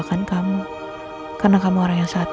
aku masih ingat